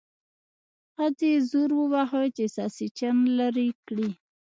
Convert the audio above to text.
ښځې زور وواهه چې ساسچن لرې کړي.